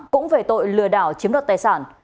cũng về tội lừa đảo chiếm đoạt tài sản